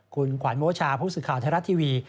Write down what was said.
คุณขวัญโมชาผู้สื่อข่าวไทยรัฐทีวี